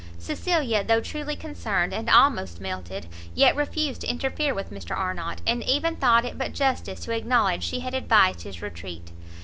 Cecilia, though truly concerned, and almost melted, yet refused to interfere with Mr Arnott, and even thought it but justice to acknowledge she had advised his retreat.